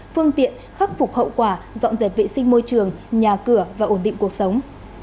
phương tiện khắc phục hậu quả dọn dẹp vệ sinh môi trường nhà cửa và ổn định cuộc sống